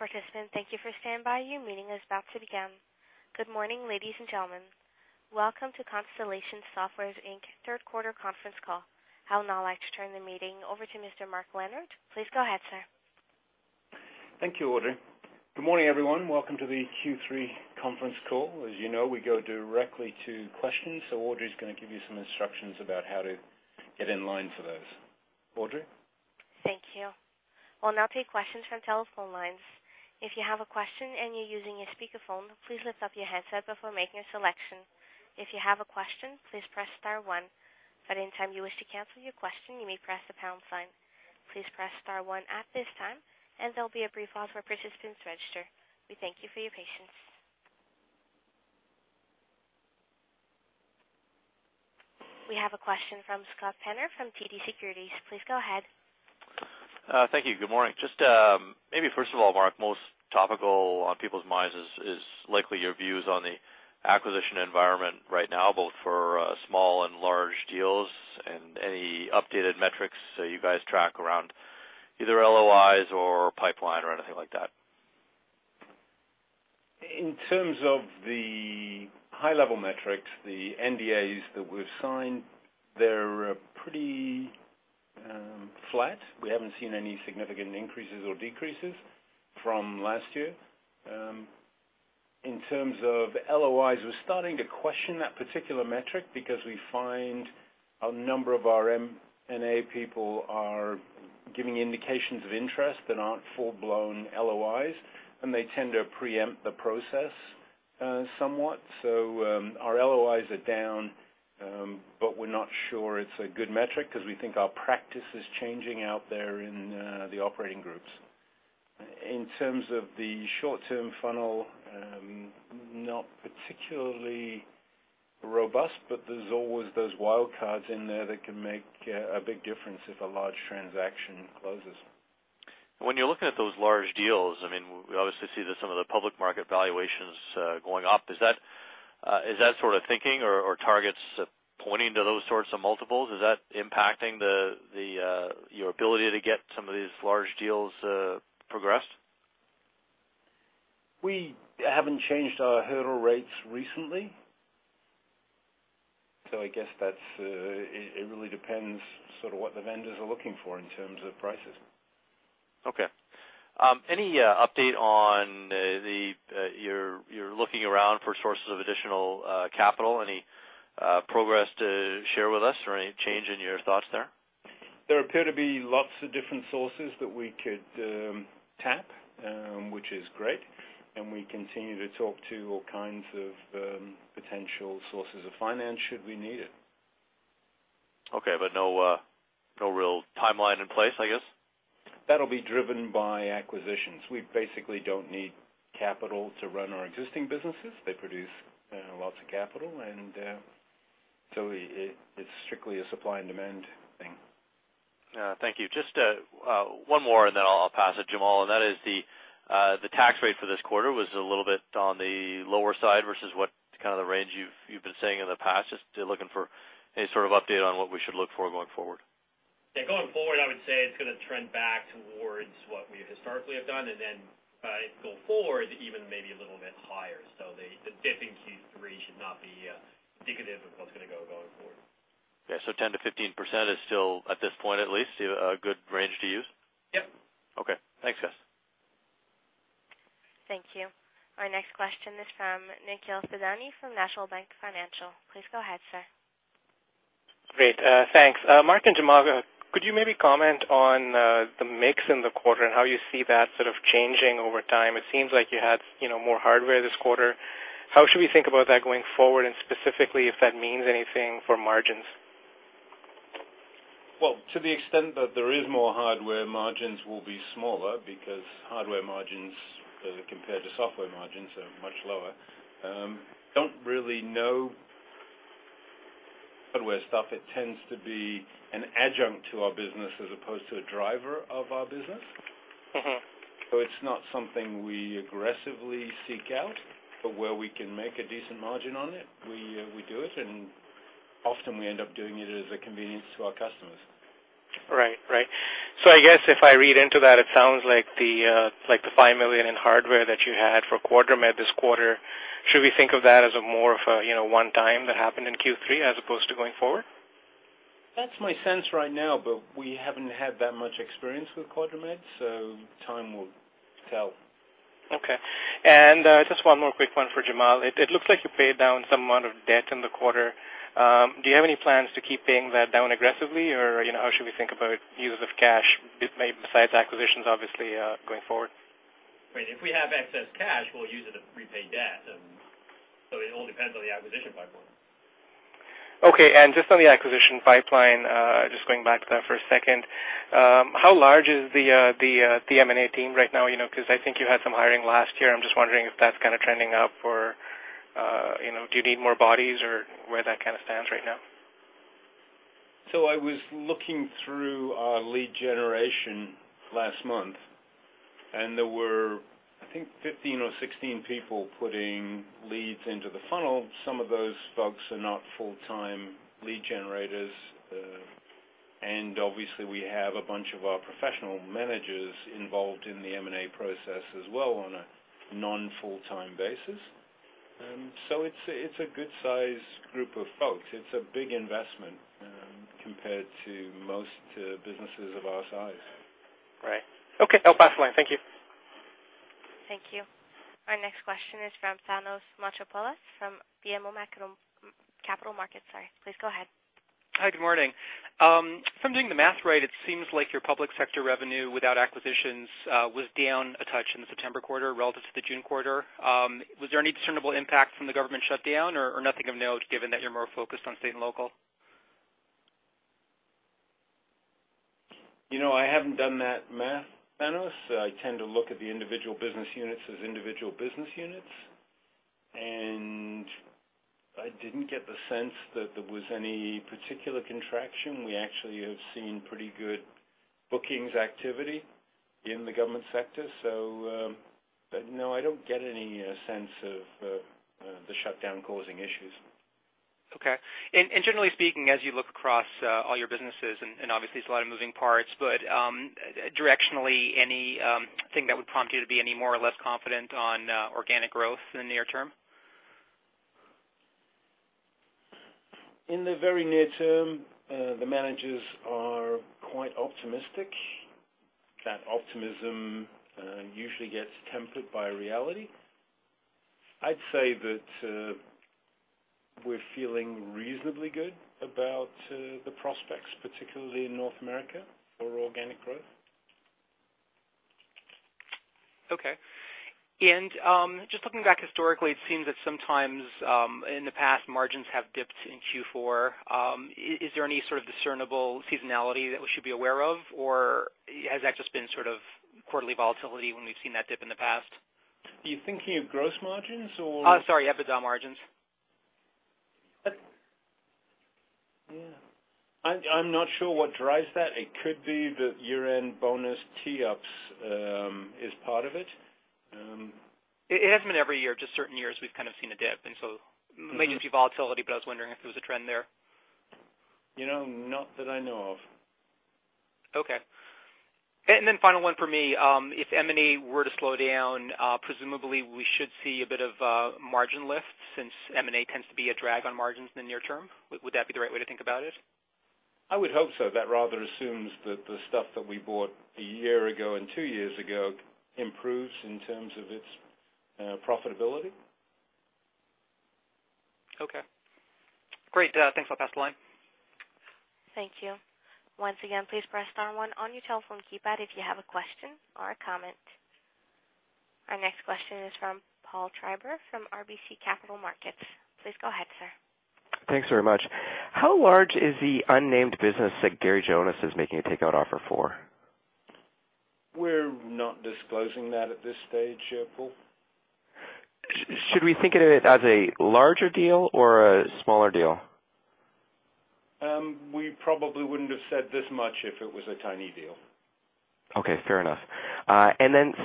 Good morning, ladies and gentlemen. Welcome to Constellation Software Inc.'s Q3 Conference Call. I would now like to turn the meeting over to Mr. Mark Leonard. Please go ahead, sir. Thank you, Audrey. Good morning, everyone. Welcome to the Q3 conference call. As you know, we go directly to questions, so Audrey is gonna give you some instructions about how to get in line for those. Audrey? Thank you. I'll now take questions from telephone lines. If you have a question and you're using a speakerphone, please lift up your headset before making a selection. If you have a question, please press *1. At any time you wish to cancel your question, you may press # sign. Please press *1 at this time, and there'll be a brief pause for participants to register. We thank you for your patience. We have a question from Scott Penner from TD Securities. Please go ahead. Thank you. Good morning. Just, maybe first of all, Mark, most topical on people's minds is likely your views on the acquisition environment right now, both for small and large deals and any updated metrics that you guys track around either LOIs or pipeline or anything like that. In terms of the high-level metrics, the NDAs that we've signed, they're pretty flat. We haven't seen any significant increases or decreases from last year. In terms of LOIs, we're starting to question that particular metric because we find a number of our M&A people are giving indications of interest that aren't full-blown LOIs, and they tend to preempt the process somewhat. Our LOIs are down, but we're not sure it's a good metric because we think our practice is changing out there in the operating groups. In terms of the short-term funnel, not particularly robust, but there's always those wild cards in there that can make a big difference if a large transaction closes. When you're looking at those large deals, I mean, we obviously see that some of the public market valuations going up. Is that sort of thinking or targets pointing to those sorts of multiples? Is that impacting the your ability to get some of these large deals progressed? We haven't changed our hurdle rates recently. I guess that's, it really depends sort of what the vendors are looking for in terms of prices. Okay. Any update on the you're looking around for sources of additional capital? Any progress to share with us or any change in your thoughts there? There appear to be lots of different sources that we could tap, which is great, and we continue to talk to all kinds of potential sources of finance should we need it. Okay, no real timeline in place, I guess? That'll be driven by acquisitions. We basically don't need capital to run our existing businesses. They produce lots of capital, and so it's strictly a supply and demand thing. Thank you. Just one more, and then I'll pass it to Jamal. That is the tax rate for this quarter was a little bit on the lower side versus what kind of the range you've been saying in the past. Just looking for any sort of update on what we should look for going forward. Yeah. Going forward, I would say it's gonna trend back towards what we historically have done and then, go forward even maybe a little bit higher. The, the dip in Q3 should not be indicative of what's gonna going forward. Yeah. 10%-15% is still, at this point at least, a good range to use? Yep. Okay. Thanks, guys. Thank you. Our next question is from Nikhil Thadani from National Bank Financial. Please go ahead, sir. Great. Thanks. Mark and Jamal, could you maybe comment on the mix in the quarter and how you see that sort of changing over time? It seems like you had, you know, more hardware this quarter. How should we think about that going forward and specifically if that means anything for margins? To the extent that there is more hardware, margins will be smaller because hardware margins, compared to software margins, are much lower. Don't really know hardware stuff. It tends to be an adjunct to our business as opposed to a driver of our business. It's not something we aggressively seek out, but where we can make a decent margin on it, we do it, and often we end up doing it as a convenience to our customers. Right. Right. I guess if I read into that, it sounds like the, like the 5 million in hardware that you had for QuadraMed this quarter, should we think of that as a more of a, you know, one time that happened in Q3 as opposed to going forward? That's my sense right now, but we haven't had that much experience with QuadraMed, so time will tell. Okay. Just one more quick one for Jamal. It looks like you paid down some amount of debt in the quarter. Do you have any plans to keep paying that down aggressively or, you know, how should we think about use of cash maybe besides acquisitions, obviously, going forward? I mean, if we have excess cash, we'll use it to prepay debt. It all depends on the acquisition pipeline. Okay. Just on the acquisition pipeline, just going back to that for a second. How large is the M&A team right now? You know, 'cause I think you had some hiring last year. I'm just wondering if that's kinda trending up or, you know, do you need more bodies or where that kinda stands right now. I was looking through our lead generation last month, and there were, I think, 15 or 16 people putting leads into the funnel. Some of those folks are not full-time lead generators. Obviously we have a bunch of our professional managers involved in the M&A process as well on a non-full-time basis. It's a good size group of folks. It's a big investment, compared to most businesses of our size. Right. Okay. I'll pass the line. Thank you. Thank you. Our next question is from Thanos Moschopoulos from BMO Capital Markets, sorry. Please go ahead. Hi, good morning. If I'm doing the math right, it seems like your public sector revenue without acquisitions, was down a touch in the September quarter relative to the June quarter. Was there any discernible impact from the government shutdown or nothing of note given that you're more focused on state and local? You know, I haven't done that math, Thanos. I tend to look at the individual business units as individual business units. I didn't get the sense that there was any particular contraction. We actually have seen pretty good bookings activity in the government sector. No, I don't get any sense of the shutdown causing issues. Okay. Generally speaking, as you look across, all your businesses, and, obviously it's a lot of moving parts, but, directionally any, thing that would prompt you to be any more or less confident on, organic growth in the near term? In the very near term, the managers are quite optimistic. That optimism, usually gets tempered by reality. I'd say that, we're feeling reasonably good about, the prospects, particularly in North America for organic growth. Okay. Just looking back historically, it seems that sometimes, in the past margins have dipped in Q4. Is there any sort of discernible seasonality that we should be aware of, or has that just been sort of quarterly volatility when we've seen that dip in the past? Are you thinking of gross margins? Sorry, EBITDA margins. I'm not sure what drives that. It could be the year-end bonus tee ups, is part of it. It hasn't been every year, just certain years we've kind of seen a dip. May just be volatility, but I was wondering if there was a trend there. You know, not that I know of. Okay. Final one for me. If M&A were to slow down, presumably we should see a bit of a margin lift since M&A tends to be a drag on margins in the near term. Would that be the right way to think about it? I would hope so. That rather assumes that the stuff that we bought a year ago and two years ago improves in terms of its profitability. Okay. Great. Thanks. I'll pass the line. Thank you. Once again, please press *1 on your telephone keypad if you have a question or a comment. Our next question is from Paul Treiber from RBC Capital Markets. Please go ahead, sir. Thanks very much. How large is the unnamed business that Gary Jonas is making a takeout offer for? We're not disclosing that at this stage, Paul. Should we think of it as a larger deal or a smaller deal? We probably wouldn't have said this much if it was a tiny deal. Okay, fair enough.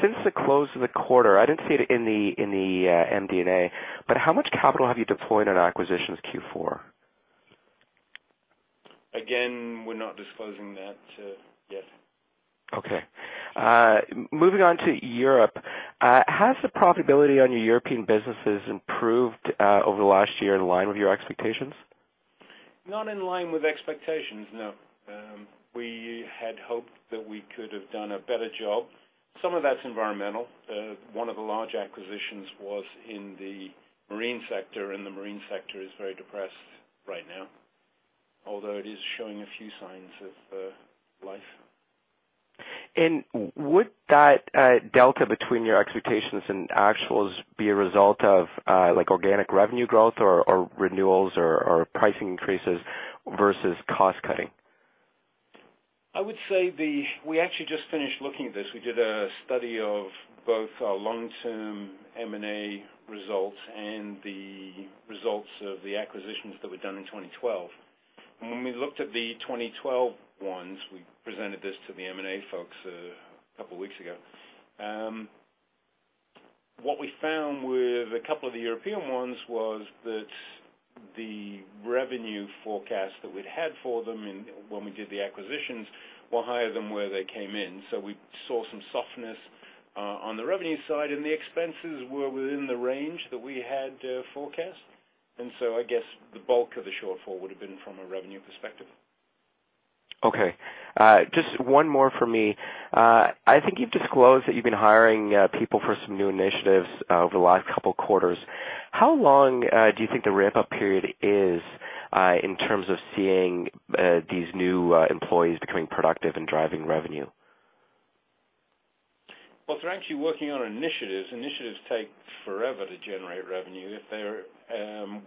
Since the close of the quarter, I didn't see it in the MD&A, how much capital have you deployed on acquisitions Q4? We're not disclosing that, yet. Okay. Moving on to Europe. Has the profitability on your European businesses improved over the last year in line with your expectations? Not in line with expectations, no. We had hoped that we could have done a better job. Some of that's environmental. One of the large acquisitions was in the marine sector, and the marine sector is very depressed right now. Although it is showing a few signs of life. Would that delta between your expectations and actuals be a result of, like organic revenue growth or renewals or pricing increases versus cost cutting? I would say We actually just finished looking at this. We did a study of both our long-term M&A results and the results of the acquisitions that were done in 2012. When we looked at the 2012 ones, we presented this to the M&A folks a couple weeks ago. What we found with a couple of the European ones was that the revenue forecast that we'd had for them when we did the acquisitions were higher than where they came in. We saw some softness on the revenue side, and the expenses were within the range that we had forecast. I guess the bulk of the shortfall would have been from a revenue perspective. Okay. Just 1 more for me. I think you've disclosed that you've been hiring people for some new initiatives over the last two quarters. How long do you think the ramp-up period is in terms of seeing these new employees becoming productive and driving revenue? Well, if they're actually working on initiatives take forever to generate revenue. If they're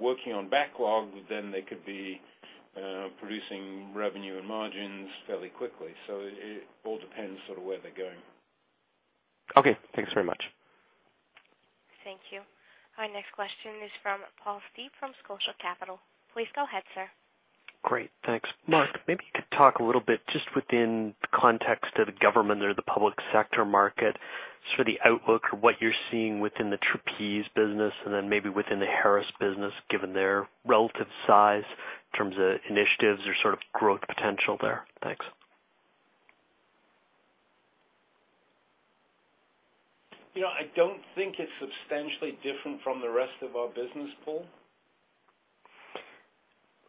working on backlog, they could be producing revenue and margins fairly quickly. It all depends sort of where they're going. Okay. Thanks very much. Thank you. Our next question is from Paul Steep from Scotia Capital. Please go ahead, sir. Great. Thanks. Mark, maybe you could talk a little bit just within the context of the government or the public sector market. Just for the outlook or what you're seeing within the Trapeze Group and then maybe within the Harris Computer Corporation, given their relative size in terms of initiatives or sort of growth potential there. Thanks. You know, I don't think it's substantially different from the rest of our business, Paul.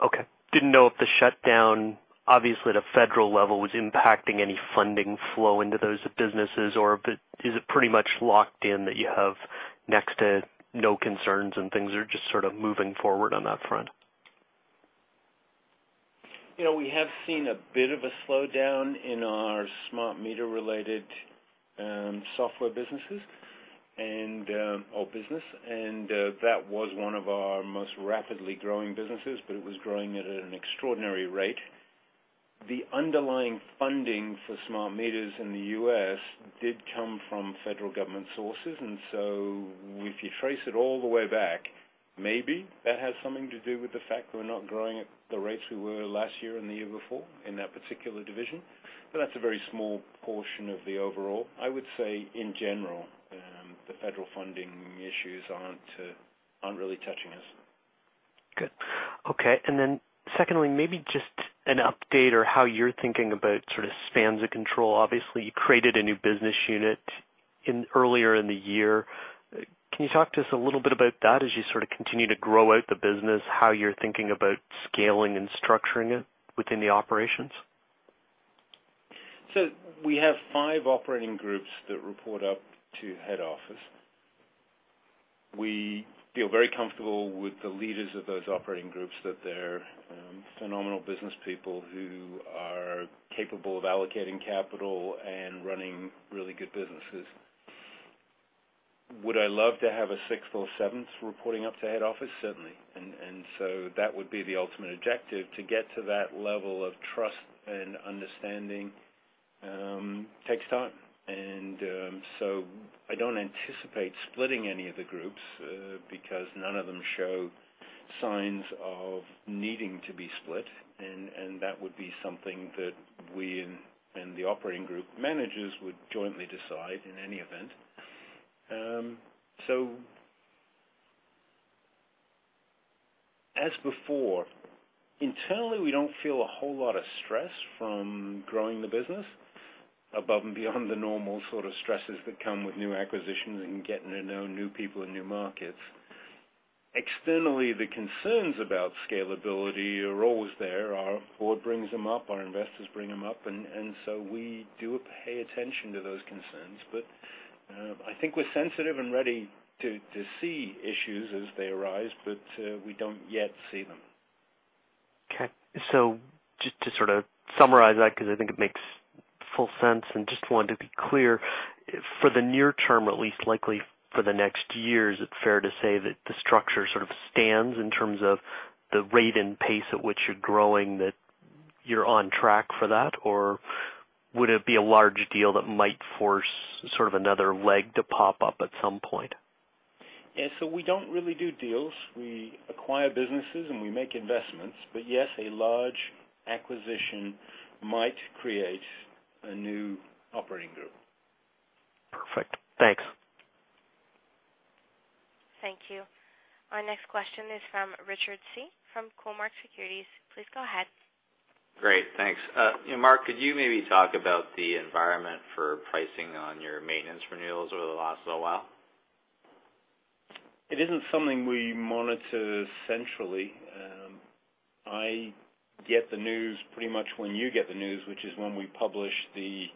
Okay. Didn't know if the shutdown, obviously at a federal level, was impacting any funding flow into those businesses or is it pretty much locked in that you have next to no concerns and things are just sort of moving forward on that front? You know, we have seen a bit of a slowdown in our smart meter-related software businesses and, or business. That was one of our most rapidly growing businesses, but it was growing at an extraordinary rate. The underlying funding for smart meters in the U.S. did come from federal government sources. If you trace it all the way back, maybe that has something to do with the fact we're not growing at the rates we were last year and the year before in that particular division. That's a very small portion of the overall. I would say in general, the federal funding issues aren't really touching us. Good. Okay. Secondly, maybe just an update or how you're thinking about sort of spans of control. Obviously, you created a new business unit earlier in the year. Can you talk to us a little bit about that as you sort of continue to grow out the business, how you're thinking about scaling and structuring it within the operations? We have five operating groups that report up to head office. We feel very comfortable with the leaders of those operating groups, that they're phenomenal business people who are capable of allocating capital and running really good businesses. Would I love to have a 6th or 7th reporting up to head office? Certainly. That would be the ultimate objective. To get to that level of trust and understanding takes time. I don't anticipate splitting any of the groups because none of them show signs of needing to be split. That would be something that we and the operating group managers would jointly decide in any event. As before, internally, we don't feel a whole lot of stress from growing the business above and beyond the normal sort of stresses that come with new acquisitions and getting to know new people and new markets. Externally, the concerns about scalability are always there. Our board brings them up, our investors bring them up, and we do pay attention to those concerns. I think we're sensitive and ready to see issues as they arise, but we don't yet see them. Okay. Just to sort of summarize that, because I think it makes full sense and just wanted to be clear. For the near term, at least likely for the next year, is it fair to say that the structure sort of stands in terms of the rate and pace at which you're growing, that you're on track for that? Or would it be a large deal that might force sort of another leg to pop up at some point? Yeah. We don't really do deals. We acquire businesses, and we make investments. Yes, a large acquisition might create a new operating group. Perfect. Thanks. Thank you. Our next question is from Richard Tse from Cormark Securities. Please go ahead. Great. Thanks. you know, Mark, could you maybe talk about the environment for pricing on your maintenance renewals over the last little while? It isn't something we monitor centrally. I get the news pretty much when you get the news, which is when we publish the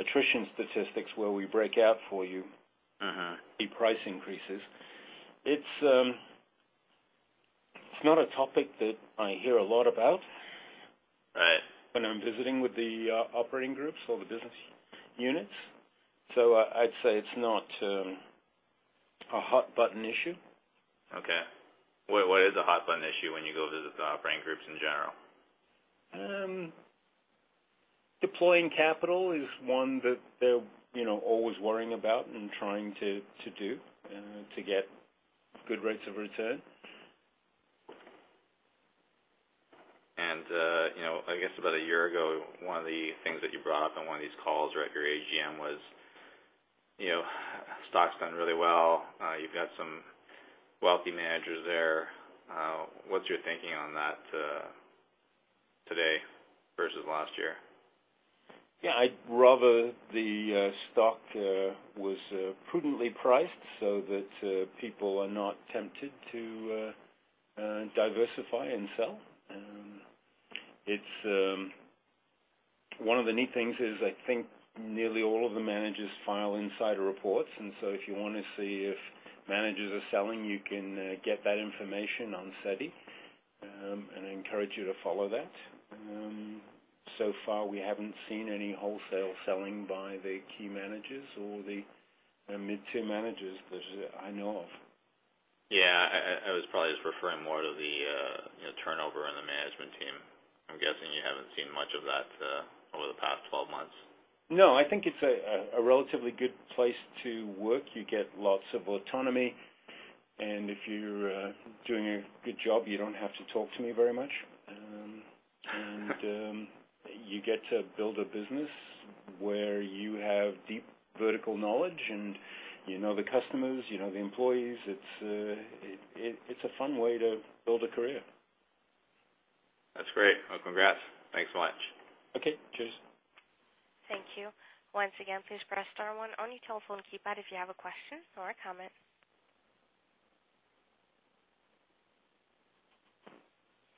attrition statistics where we break out for you the price increases. It's, it's not a topic that I hear a lot about. Right when I'm visiting with the operating groups or the business units. I'd say it's not a hot button issue. Okay. What is a hot button issue when you go visit the operating groups in general? Deploying capital is one that they're, you know, always worrying about and trying to do, to get good rates of return. You know, I guess about a year ago, one of the things that you brought up on one of these calls or at your AGM was, you know, stock's done really well. You've got some wealthy managers there. What's your thinking on that today versus last year? Yeah, I'd rather the stock was prudently priced so that people are not tempted to diversify and sell. It's One of the neat things is I think nearly all of the managers file insider reports. If you wanna see if managers are selling, you can get that information on SEDI, I encourage you to follow that. So far, we haven't seen any wholesale selling by the key managers or the mid-tier managers that I know of. Yeah. I was probably just referring more to the, you know, turnover on the management team. I'm guessing you haven't seen much of that, over the past 12 months. No, I think it's a relatively good place to work. You get lots of autonomy, and if you're doing a good job, you don't have to talk to me very much. You get to build a business where you have deep vertical knowledge and you know the customers, you know the employees. It's a fun way to build a career. That's great. Well, congrats. Thanks so much. Okay. Cheers. Thank you. Once again, please press *1 on your telephone keypad if you have a question or a comment.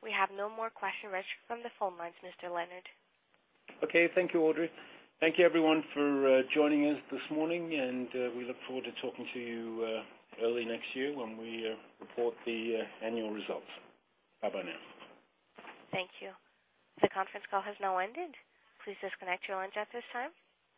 We have no more questions registered from the phone lines, Mr. Leonard. Okay. Thank you, Audrey. Thank you everyone for joining us this morning, and we look forward to talking to you early next year when we report the annual results. Bye-bye now. Thank you. The conference call has now ended. Please disconnect your lines at this time.